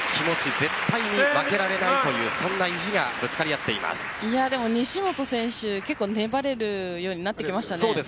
絶対に負けられないという意地が西本選手結構粘れるようになってきましたね。